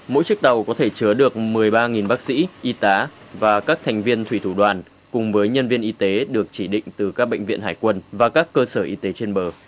mỗi chiếc tàu có thể chứa được một mươi ba bác sĩ y tá và các thành viên thủy thủ đoàn cùng với nhân viên y tế được chỉ định từ các bệnh viện hải quân và các cơ sở y tế trên bờ